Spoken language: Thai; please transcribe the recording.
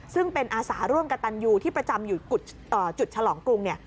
ซึ่งเป็นอาสาร่วมกับตันยูที่ประจำอยู่จุดฉลองกรุงเนี่ย